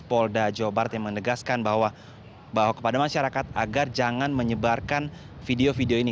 polda jawa barat yang menegaskan bahwa kepada masyarakat agar jangan menyebarkan video video ini